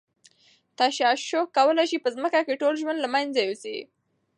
تشعشع کولای شي په ځمکه کې ټول ژوند له منځه یوسي.